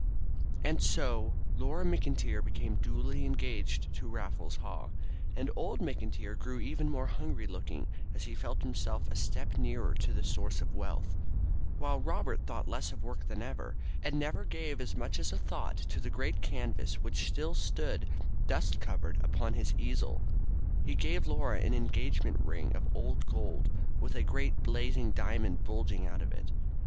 And so Laura McIntyre became duly engaged to Raffles Haw, and old McIntyre grew even more hungry looking as he felt himself a step nearer to the source of wealth, while Robert thought less of work than ever, and never gave as much as a thought to the great canvas which still stood, dust covered, upon his easel. Haw gave Laura an engagement ring of old gold, with a great blazing diamond bulging out of it.